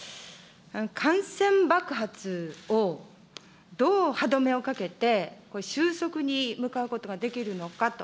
感染爆発をどう歯止めをかけて、これ、収束に向かうことができるのかと。